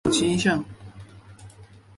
近年有增长倾向。